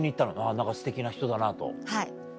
何かすてきな人だなと。